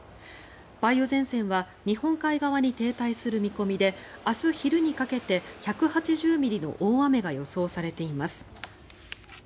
梅雨前線は日本海側に停滞する見込みで明日昼にかけて１８０ミリの大雨が予想されています。